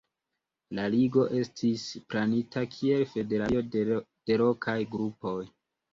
La Ligo estis planita kiel federacio de lokaj grupoj.